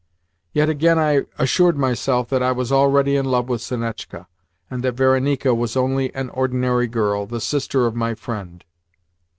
Yet again I assured myself that I was already in love with Sonetchka, and that Varenika was only an ordinary girl, the sister of my friend.